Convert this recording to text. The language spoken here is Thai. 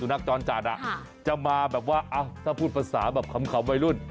นักจรจัดจะมาแบบว่าถ้าพูดภาษาแบบขำวัยรุ่น